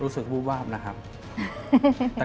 สุดท้าย